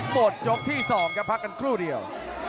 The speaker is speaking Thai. หมดยกที่๒ครับพักกันครู่เดียว